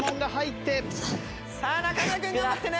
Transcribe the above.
さあ中村君頑張ってね！